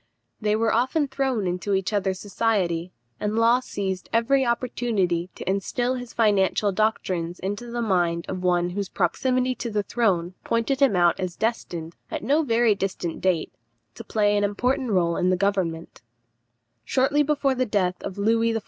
They were often thrown into each other's society, and Law seized every opportunity to instil his financial doctrines into the mind of one whose proximity to the throne pointed him out as destined, at no very distant date, to play an important part in the government. [Illustration: THE REGENT OF FRANCE.] Shortly before the death of Louis XIV.